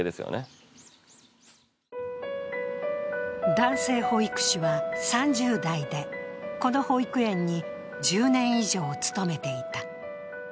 男性保育士は３０代で、この保育園に１０年以上勤めていた。